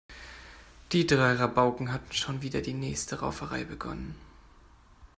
Die drei Rabauken hatten schon wieder die nächste Rauferei begonnen.